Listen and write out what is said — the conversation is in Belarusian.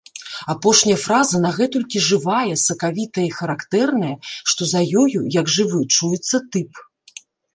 Апошняя фраза нагэтулькі жывая, сакавітая і характэрная, што за ёю, як жывы, чуецца тып.